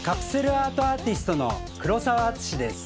アートアーティストの黒澤篤です。